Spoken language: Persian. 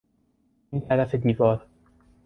این طرف دیوار